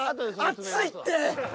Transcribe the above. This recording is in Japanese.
熱いって！